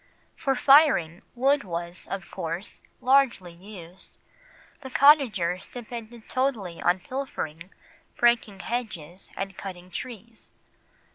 For firing, wood was, of course, largely used, the cottagers depended totally on "pilfering, breaking hedges, and cutting trees."